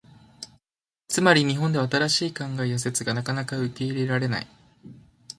つまり、日本では新しい考えや説がなかなか受け入れられない。